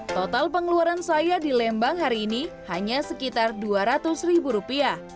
total pengeluaran saya di lembang hari ini hanya sekitar rp dua ratus ribu rupiah